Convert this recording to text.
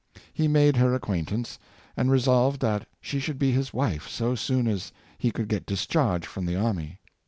He made her ac quaintance, and resolved that she should be his wife so soon as he could get discharged from the army.